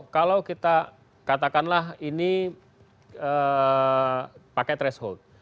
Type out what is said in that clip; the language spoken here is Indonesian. kalau kita katakanlah ini pakai threshold